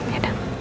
iya ya dong